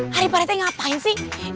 hari pak rtt ngapain sih